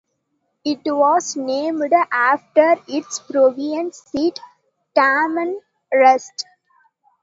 It was named after its province seat, Tamanrasset.